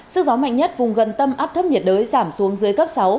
sức gió mạnh nhất vùng gần tâm áp thấp nhiệt đới giảm xuống dưới cấp sáu